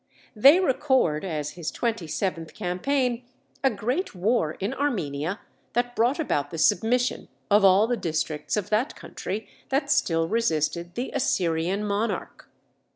They record, as his twenty seventh campaign, a great war in Armenia that brought about the submission of all the districts of that country that still resisted the Assyrian monarch.